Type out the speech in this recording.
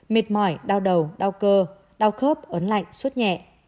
mệt mỏi đau đầu đau cơ đau khớp ấn lạnh suốt nhẹ